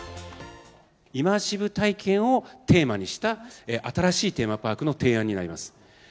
イマーシブ体験をテーマにした、新しいテーマパークの提案になります。